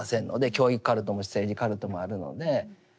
教育カルトも政治カルトもあるので。